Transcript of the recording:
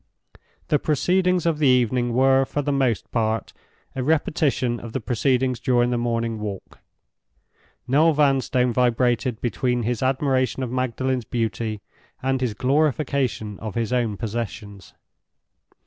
The proceedings of the evening were for the most part a repetition of the proceedings during the morning walk. Noel Vanstone vibrated between his admiration of Magdalen's beauty and his glorification of his own possessions.